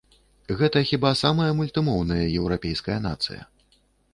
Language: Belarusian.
Гэта хіба самая мультымоўная еўрапейская нацыя.